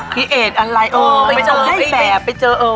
พี่เอดอะไรไปเจอแฟนไปเจอเออ